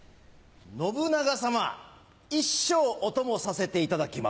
信長様一生お供させていただきます。